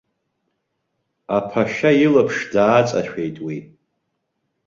Аԥашьа илаԥш дааҵашәеит уи.